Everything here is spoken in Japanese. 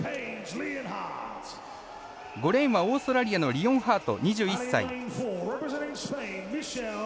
５レーンはオーストラリアのリオンハート、２１歳。